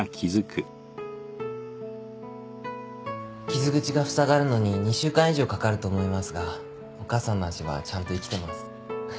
傷口がふさがるのに２週間以上かかると思いますがお母さんの脚はちゃんと生きてます。